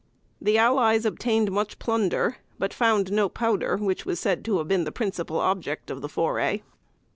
The allies obtained much plunder, but found no powder, which was said to have been the principal object of the foray.